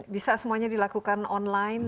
bisa semuanya dilakukan online